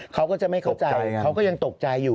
เขาก็จะไม่เข้าใจเขาก็ยังตกใจอยู่